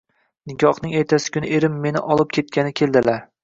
Nikohning ertasi kuni erim meni olib ketgani keldilar.